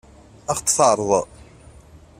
Ad ɣ-t-tɛeṛḍeḍ?